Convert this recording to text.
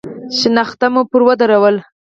شنخته مو پر ودروله.